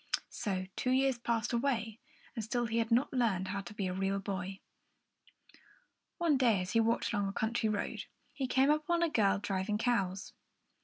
So two years passed away, and still he had not learned how to be a real boy. One day, as he walked along a country road, he came upon a girl driving cows.